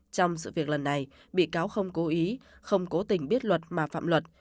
trong sự việc lần này bị cáo không cố ý không cố tình biết luật mà phạm luật